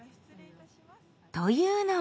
というのも。